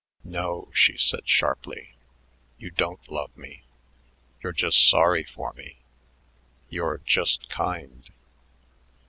"No," she said sharply; "you don't love me. You're just sorry for me.... You're just kind."